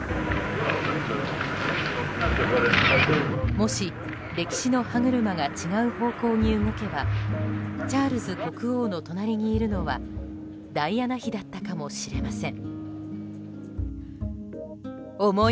もし、歴史の歯車が違う方向に動けばチャールズ国王の隣にいるのはダイアナ妃だったかもしれません。